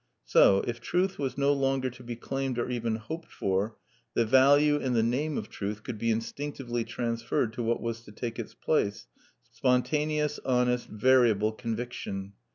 So, if truth was no longer to be claimed or even hoped for, the value and the name of truth could be instinctively transferred to what was to take its place spontaneous, honest, variable conviction.